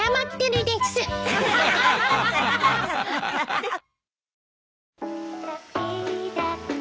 ハハハハハ。